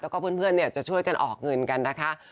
แล้วก็เพื่อนจะช่วยกันออกเงินกันนะคะ